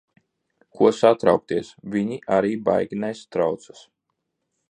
Ko satraukties. Viņi arī baigi nesatraucas.